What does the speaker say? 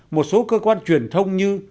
một số cơ quan truyền thông như